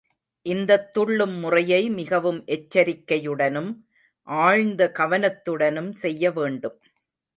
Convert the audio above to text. இந்தத் துள்ளும் முறையை மிகவும் எச்சரிக்கையுடனும், ஆழ்ந்த கவனத்துடனும் செய்ய வேண்டும்.